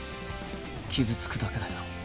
傷つくだけだよ？